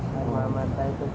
mereka mati terus